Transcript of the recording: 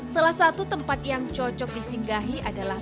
salah satu tempat yang cocok disinggahi adalah